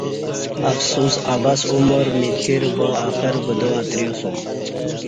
افسوس عبث عمر می تیر باآخر بدا اتریسوم